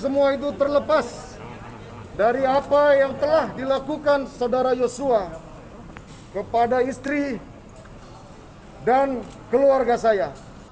semua itu terlepas dari apa yang telah dilakukan saudara yosua kepada istri dan keluarga saya